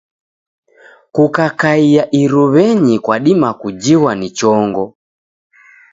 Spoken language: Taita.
Kukakaia iruw'enyi kwadima kujighwa ni chongo.